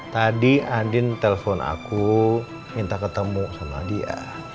tadi adin telpon aku minta ketemu sama dia